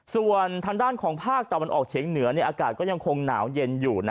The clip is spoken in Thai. ส่วนทางด้านของภาคตะวันออกเฉียงเหนืออากาศก็ยังคงหนาวเย็นอยู่